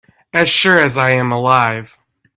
As sure as I am alive